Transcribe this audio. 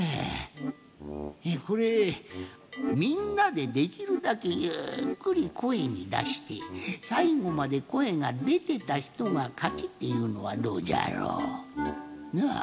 これみんなでできるだけゆっくりこえにだしてさいごまでこえがでてたひとがかちっていうのはどうじゃろう？